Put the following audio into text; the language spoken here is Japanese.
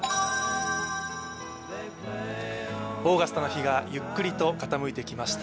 オーガスタの日がゆっくりと傾いてきました。